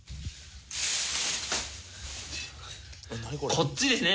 こっちですね。